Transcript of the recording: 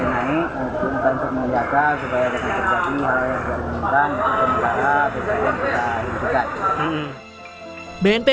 kita meminta untuk mencari pencarian yang bisa dihentikan